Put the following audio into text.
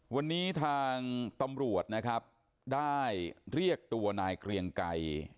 วันนี้ทางตำรวจนะครับได้เรียกตัวนายเกรียงไกร